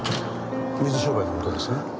水商売の事ですね。